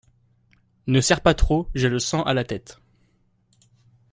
Ne serre pas trop… j’ai le sang à la tête !…